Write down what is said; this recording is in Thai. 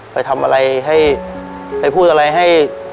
ไปทำอะไรให้ไปพูดอะไรให้